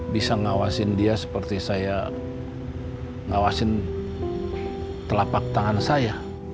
bisa ngawasin dia seperti saya ngawasin telapak tangan saya